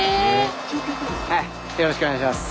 よろしくお願いします。